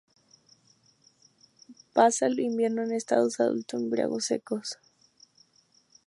Pasa el invierno en estado adulto en abrigos secos.